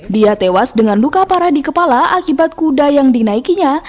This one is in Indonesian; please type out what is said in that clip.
dia tewas dengan luka parah di kepala akibat kuda yang dinaikinya